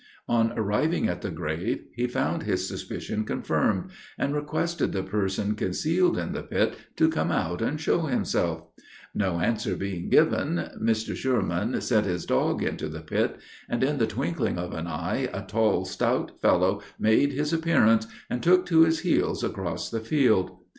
On arriving at the grave, he found his suspicion confirmed; and requested the person concealed in the pit, to come out and show himself: no answer being given, Mr. Schureman sent his dog into the pit, and in the twinkling of an eye a tall stout fellow made his appearance, and took to his heels across the field.